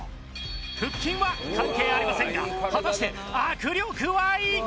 腹筋は関係ありませんが果たして握力はいかに？